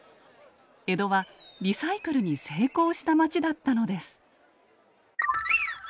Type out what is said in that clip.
江戸はリサイクルに成功した街だったのです。